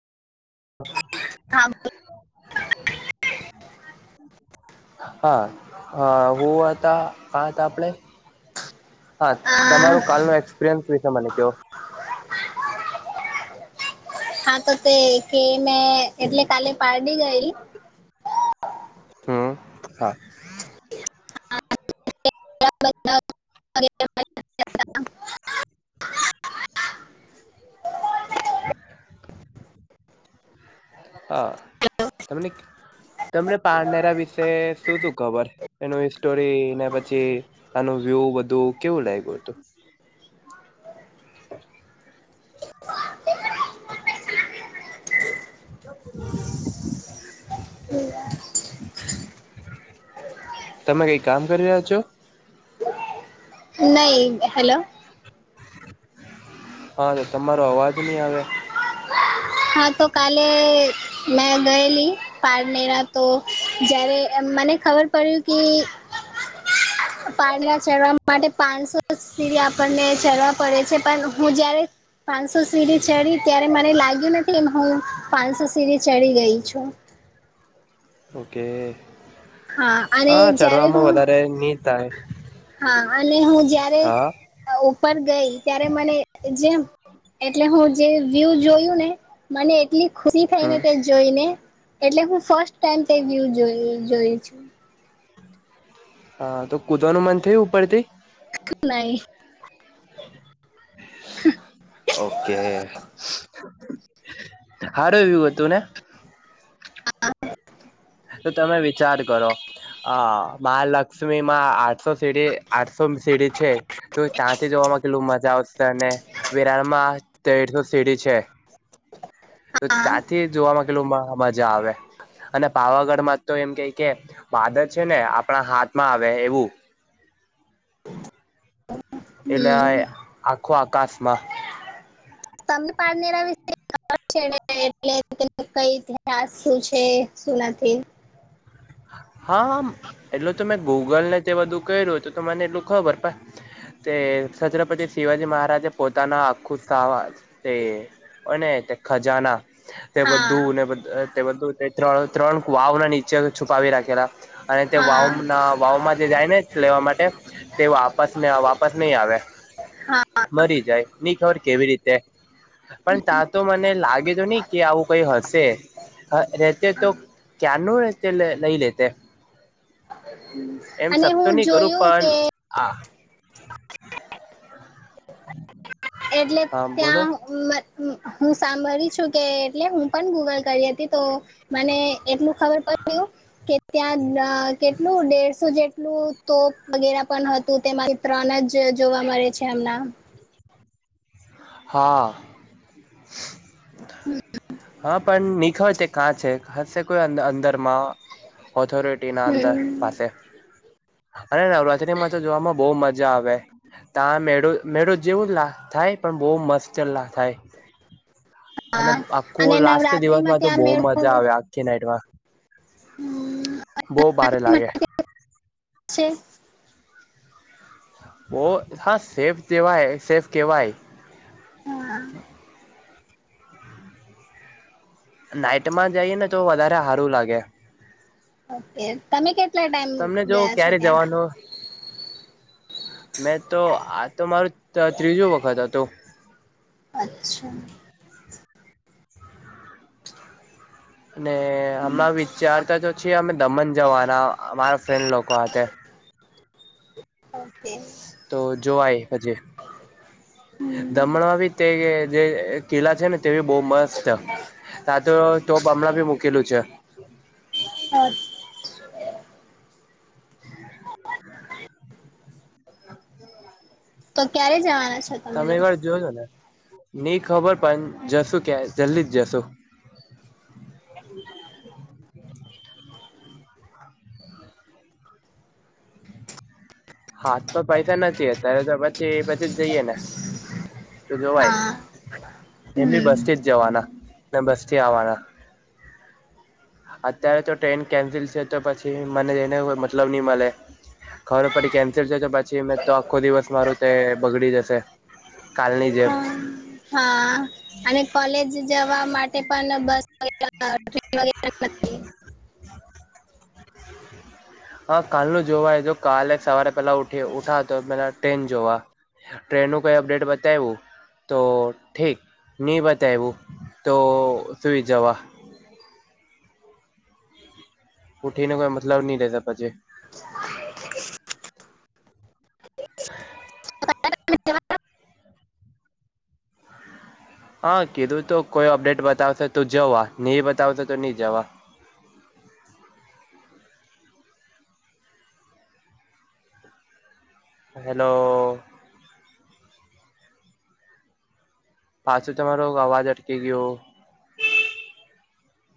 [inaudible] [unintelligible] [inaudible] હ અ હું હતા કા હતા આપડે. હા આ તમારું કાલનો એક્સપિરિયન્સ વિશે મને ક્યો. હા તો તે કે મેં એટલે કાલે પારડી ગયેલી. હઅ હા. [inaudible] [inaudible] [inaudible] હ, તમને તમને પાનેરા વિશે શું શું ખબર. એનું એ સ્ટોરી ને પછી એનું વ્યુ બધું કેવું લાયગુ તું. [inaudible] [inaudible] તમે કંઈ કામ કરી રહ્યા છો. નહીં હેલો. હા, તો તમારો અવાજ ની આવે. હા તો કાલે મેં ગયેલી પારનેરા તો જ્યારે મને ખબર પડ્યું કે [inaudible] પારલા ચરવા માટે પાંચસો સીડી આપણને ચરવા પડે છે, પણ હું જ્યારે પાંચસો સીડી ચડી ત્યારે મને લાગ્યું નથી, હું પાંચસો સીડી ચડી ગઈ છું. ઓકે હા અને હા જ્યારે ચડવામાં હું વધારે ની થાય. હા, અને હું જ્યાં હા આ ને ઉપર ગઈ ત્યારે મને જેમ એટલે હું જે વ્યુ જોયું ને મને એટલી ખુશી થઈને હમ કે જ જોઈને એટલે હું ફસ્ટ ટાઈમ તે વ્યુ જોઈ જોયું છે. હા તો કુદવાનું મન થયું ઉપરથી નઈ ઓકે. હારું વ્યુ હતું ને આ આને તો તમે વિચાર કરો અ મહાલક્ષ્મી માં આઠસો સીડી આઠસો સીડી છે, તો ત્યાંથી જોવામાં કેટલું મજા આવશે, અને વિરાળમાં તેરસો સીડી છે. તો ત્યાંથી જોવામાં કેટલું મજા આવે. હા. [unintelligible] અને પાવાગઢમાં તો એમ કંઈક કે વાદળ છે, ને આપણા હાથમાં આવે એવું. એટલે હમ આએ આખો આકાશમાં તમને પારનેરા વિશે ખ [unintelligible] એટલે કંઈ આ શું છે, શું નથી. હા આ એટલું તો મેં ગૂગલને તે બધું કર્યું, તો તો મને એટલું ખબર પ તે છત્રપતિ શિવાજી મહારાજે પોતાના આખું સાવા તે અને તે ખજાના તે હા બધું ને તે બધું ત્રણે ત્રણ વાવ ના નીચે છું રાખેલા અને તે હા વાવું ત માં - વાવમાં જે જાય ને લેવા માટે તે વાપસ વાપસ નહીં આવે હા મરી જાય ની ખબર કેવી રીતે પણ ત્યાં તો મને લાગે તો નહી કે આવું કઈ હશે- હ રતે તો ક ન રતે લઈ લેતે- હમ એમ શકતો નહી કરું પણ- હા- એટલે બોલો ત્યાં- હું સાંભળી છું કે એટલે હું પણ ગૂગલ કરી હતી તો- મને એટલું ખબર પડું. કે ત્યાં કેટલું દેડસો જેટલું તોપ વગેરા પણ હતું તેમાં- ત્રણ જ જોવા મળે છે એમના- હા હા પણ નિખ- કાં છે હશે કોઈ અંદરમાં ઓથોરિટી ના અંદર હમ પાસે- અને નવરાત્રીમાં તો જોવામાં બહ મજા આવે તા મેળો મેળો જેવું જ લા થાય પણ બહ મસ્તલા થાય- અને હા આખું અને લાસ્ટ નવરાત્રીમાં દિવસમાં તો ત્યાં બહ મેળ ખૂબ મજા આવે આવે - નાઈટમાં બહ ભારે લાગે- છે. ઓહ હા સેફ કેવાય સેફ કેવાય હમ નાઈટમાં જઈએ ને તો વધારે સારું લાગે- ઓકે તમે કેટલા ટાઈમ તમને જો ગયા છો ક્યારે ત્યાં જવાનું મેં તો આ તો મારું ત્રીજું વખત હતું- અચ્છા- અને હમણાં વિચારતા તો છીએ અમે દમણ જવાના અમારા ફ્રેન્ડ લોકો હતે ઓકે- તો જોવાય હજ હમ દમણમાં બી તે જે કિલ્લા છે ને- તેવી બહ મસ્ત તા તો ટોપ હમણાં બી મૂકેલું છે. હ [unintelligible] તો ક્યારે જવાના છે. તમે એક વાર જોજો ને નહી ખબર પણ જશો કે જલ્દી જ જશો- હાથ તો પૈસા નથી અત્યારે તો પછી પછી જ જઈએ ને તો જોવાય- હા એમી હમ બસ થી જ જવાના બસ થી આવવાના અત્યારે તો ટ્રેન કેન્સલ છે તો પછી મને જઈને કોઈ મતલબ નહી મળે- ઘર પછી કેન્સર છે તો પછી મેં તો આખો દિવસ મારું તે બગડી જશે કાલની જેમ- હા અને કોલેજ જવા માટે પણ બસ- [unintelligible] ટ્રેન વગેરે હા કાલનું જોવાય જો કાલે સવારે પેલા ઊઠી ઉઠા તો પેલા ટ્રેન જોવા ટ્રેન નું કઈ અપડેટ બતાવ્યું તો ઠીક નહીં બતાવવું તો સુઈ જવા- ઉઠીને કોઈ મતલબ નહીં રહેતા પછે. [inaudible] [inaudible] હા કીધું તો કોઈ અપડેટ બતાવશે તો જવા નહીં બતાવશે તો નહીં જવા- હેલો. પાછું તમારો અવાજ અટકી ગયો